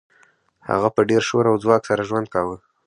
هغه په ډیر شور او ځواک سره ژوند کاوه